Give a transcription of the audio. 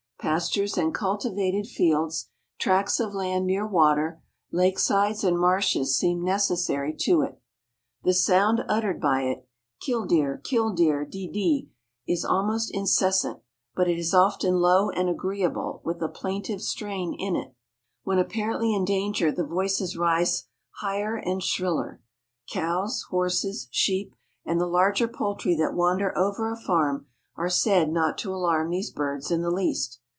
Pastures and cultivated fields, tracts of land near water, lakesides and marshes seem necessary to it. The sound uttered by it, kildeer, kildeer, dee, dee, is almost incessant, but it is often low and agreeable, with a plaintive strain in it. When apparently in danger the voice rises higher and shriller. Cows, horses, sheep, and the larger poultry that wander over a farm are said not to alarm these birds in the least.